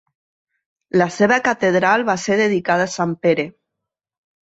La seva catedral va ser dedicada a Sant Pere.